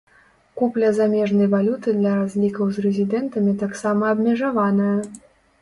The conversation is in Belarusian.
Купля замежнай валюты для разлікаў з рэзідэнтамі таксама абмежаваная.